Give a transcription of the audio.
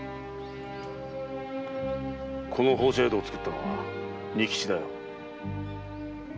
この報謝宿を作ったのは仁吉だよ。